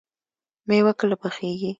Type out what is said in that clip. مېوه کله پخیږي؟